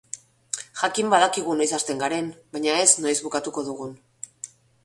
Jakin badakigu noiz hasten garen, baina ez noiz bukatuko dugun.